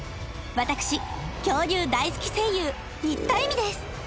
私恐竜大好き声優新田恵海です